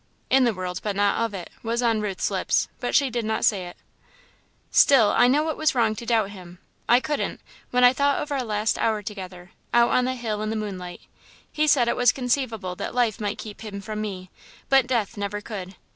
"In the world, but not of it," was on Ruth's lips, but she did not say it. "Still, I know it was wrong to doubt him I couldn't, when I thought of our last hour together, out on the hill in the moonlight. He said it was conceivable that life might keep him from me, but death never could.